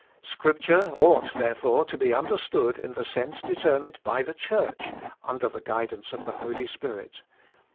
Scripture ought, therefore, to be understood in the sense determined by the Church, under the guidance of the Holy Spirit.